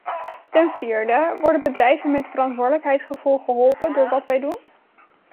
Ten vierde, worden bedrijven met verantwoordelijkheidsgevoel geholpen door wat wij doen?